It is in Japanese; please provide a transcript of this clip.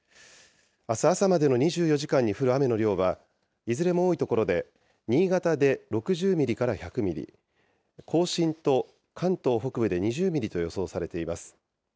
あす朝までに２４時間に降る雨の量は、いずれも多い所で、新潟で６０ミリから１００ミリ、甲信と関東北部で２０ミリと予想されています。